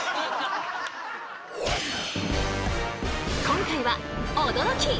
今回は驚き！